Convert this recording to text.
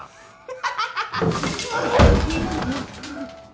ハハハ